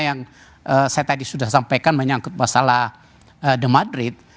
yang saya tadi sudah sampaikan menyangkut masalah the madrid